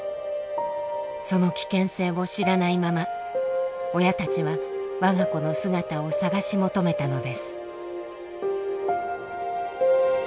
その危険性を知らないまま親たちは我が子の姿を捜し求めたのです。